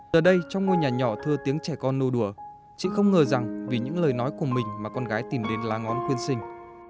giờ đây trong ngôi nhà nhỏ thơ tiếng trẻ con nô đùa chị không ngờ rằng vì những lời nói của mình mà con gái tìm đến lá ngón quyên sinh